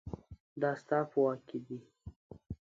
دا ستا په واک کې دي